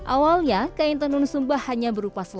awalnya kain tenun sumba hanya berupa selang